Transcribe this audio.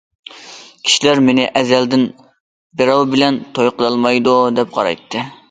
كىشىلەر مېنى ئەزەلدىن بىراۋ بىلەن توي قىلالمايدۇ دەپ قارايتتى.